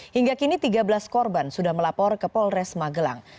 hingga kini tiga belas korban sudah melapor ke polres magelang